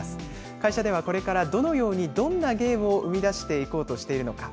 会社では、これからどのように、どんなゲームを生み出していこうとしているのか。